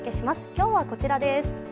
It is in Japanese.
今日はこちらです。